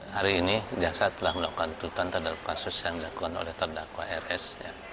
hari ini jaksa telah melakukan tuntutan terhadap kasus yang dilakukan oleh terdakwa rs